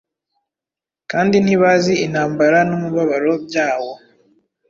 kandi ntibazi intambara n’umubabaro byawo.